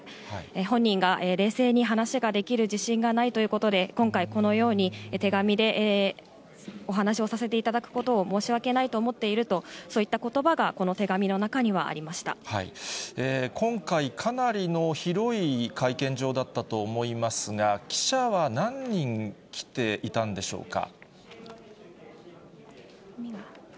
本人が冷静に話ができる自信がないということで、今回、このように手紙でお話をさせていただくことを申し訳ないと思っていると、そういったことばが、今回、かなりの広い会見場だったと思いますが、記者は何人来ていたんでしょうか。